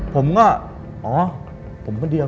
ผมก็อ๋อผมคนเดียว